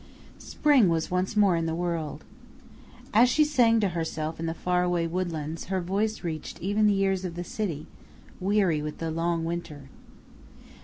Spring was once more in the world. As she sang to herself in the faraway woodlands her voice reached even the ears of the city, weary with the long winter.